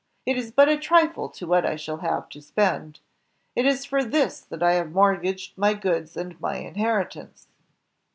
It is but a trifle to what I shall have to spend. It is for this that I have mortgaged my goods and my inheritance."